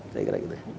saya kira gitu